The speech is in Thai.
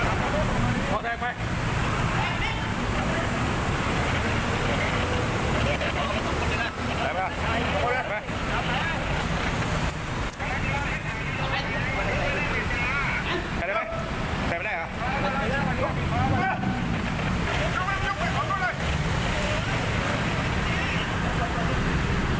เออนี่นี่เดี๋ยวไว้